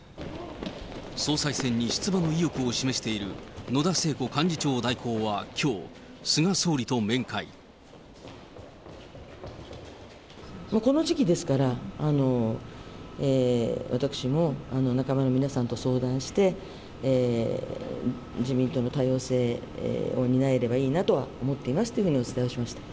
総裁選に出馬の意欲を示している野田聖子幹事長代行はきょう、この時期ですから、私も仲間の皆さんと相談して、自民党の多様性を担えればいいなとは思っていますとお伝えをしました。